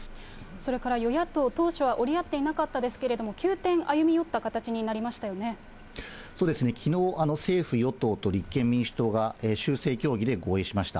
それから与野党、当初は折り合っていなかったですけれども、急転、そうですね、きのう、政府・与党と立憲民主党が修正協議で合意しました。